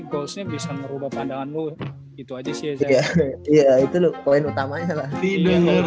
goalsnya bisa merubah pandangan lu itu aja sih ya itu poin utamanya lah tidur